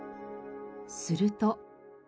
すると。